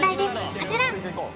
こちら